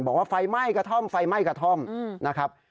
บอกว่าไฟไหม้กระท่อมไฟไหม้กระท่อมนะครับ